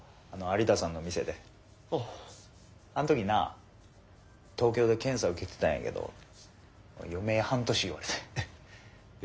あん時な東京で検査受けてたんやけど余命半年言われてん。